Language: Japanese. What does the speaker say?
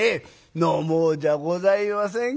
飲もうじゃございませんか。